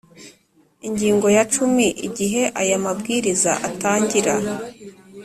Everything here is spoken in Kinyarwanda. ingingo ya cumi igihe aya mabwiriza atangira